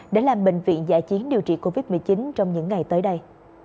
để làm bệnh viện giải chiến điều trị covid một mươi chín trong những ngày tới đây